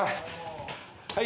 はい。